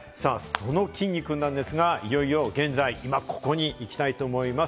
そのきんに君なんですが、いよいよ現在、イマココに行きたいと思います。